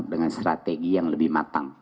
dengan strategi yang lebih matang